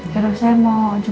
kalau saya mau